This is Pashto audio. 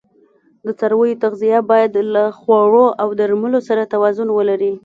د څارویو تغذیه باید له خوړو او درملو سره توازون ولري.